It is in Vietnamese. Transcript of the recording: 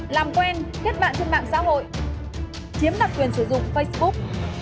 làm quen kết bạn trên mạng xã hội chiếm đặt quyền sử dụng facebook